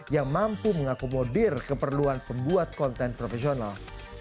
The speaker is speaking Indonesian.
yang mampu mengakomodir keperluan pembuat konten profesional